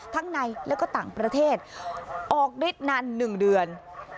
ทั้งในและก็ต่างประเทศออกฤทธิ์นาน๑เดือน